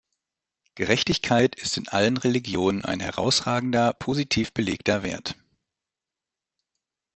Gerechtigkeit ist in allen Religionen ein herausragender, positiv belegter Wert.